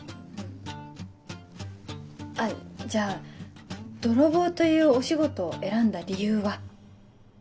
あっじゃあ泥棒というお仕事を選んだ理由は？